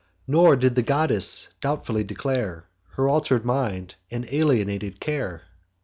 Nor did the goddess doubtfully declare Her alter'd mind and alienated care.